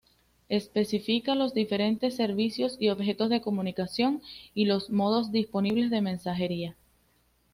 Especifica los diferentes servicios y objetos de comunicación y los modos disponibles de mensajería.